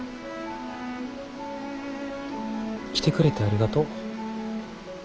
来てくれてありがとう。